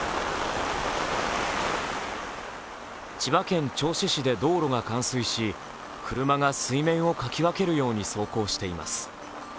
千葉県銚子市で道路が冠水し車が水面をかき分けるように走行しています。